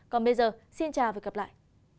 còn bây giờ xin chào và gặp lại